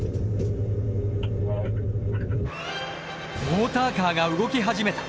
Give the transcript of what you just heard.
モーターカーが動き始めた。